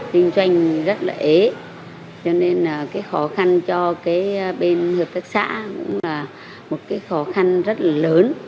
kinh doanh rất là ế cho nên là cái khó khăn cho cái bên hợp tác xã cũng là một cái khó khăn rất là lớn